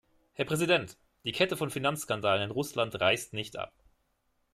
Herr Präsident! Die Kette von Finanzskandalen in Russland reißt nicht ab.